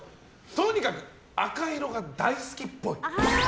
とにかく赤色が大好きっぽい。